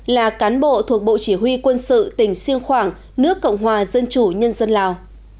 là cán bộ thuộc bộ chỉ huy quân sự tỉnh siêng khoảng nước cộng hòa dân chủ nhân dân lào